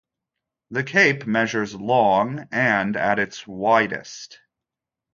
The cape measures long and at its widest.